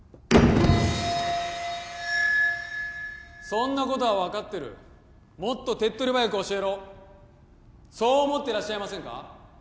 そんなことは分かってるもっと手っ取り早く教えろそう思ってらっしゃいませんか？